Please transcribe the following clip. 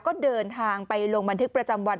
ก็เดินทางไปลงบันทึกประจำวัน